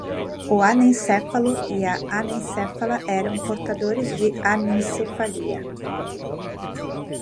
O anencéfalo e a anencéfala eram portadores da anencefalia